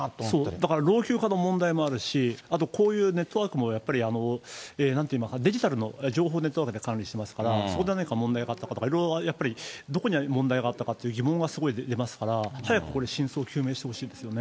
だから老朽化の問題もあるし、あとこういうネットワークも、なんというか、デジタルの情報ネットワークで管理してますから、そこで何が問題があったとか、いろいろやっぱりどこに問題があったかという疑問はすごい出ますから、早く真相を究明してほしいですよね。